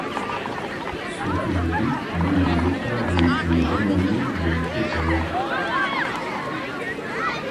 C'est aujourd'hui l'une des épaves les plus renommés de l'archipel.